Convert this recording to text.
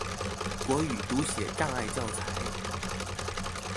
國語讀寫障礙教材